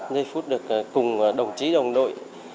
giây phút được cùng đồng chí đồng đội